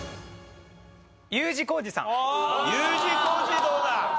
Ｕ字工事どうだ？